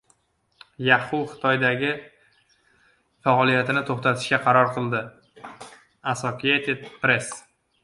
Yahoo Xitoydagi faoliyatini to‘xtatishga qaror qildi - Associated Press